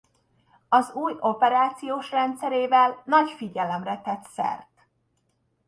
Az új operációs rendszerével nagy figyelemre tett szert.